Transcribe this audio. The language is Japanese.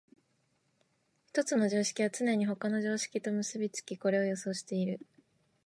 一つの常識はつねに他の常識と結び付き、これを予想している。